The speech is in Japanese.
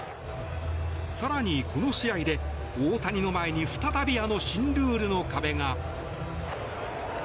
更にこの試合で、大谷の前に再びあの新ルールの壁が。